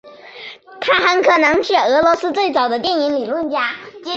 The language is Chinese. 他很可能是俄罗斯最早的电影理论家。